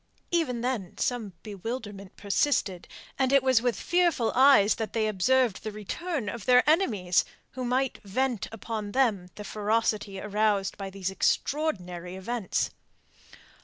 Even then some bewilderment persisted, and it was with fearful eyes that they observed the return of their enemies, who might vent upon them the ferocity aroused by these extraordinary events.